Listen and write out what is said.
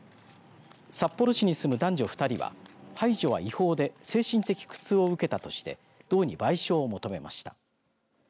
札幌市に住む男女２人は排除は違法で精神的苦痛を受けたとして道に賠償を求めました。